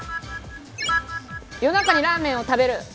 夜中にラーメンを食べる！